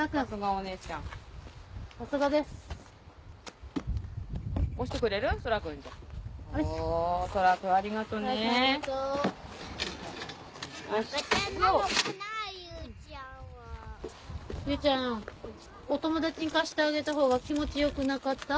お友達に貸してあげたほうが気持ち良くなかった？